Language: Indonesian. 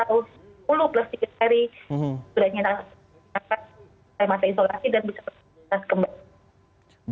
sudah dinyatakan selesai masa isolasi dan bisa kembali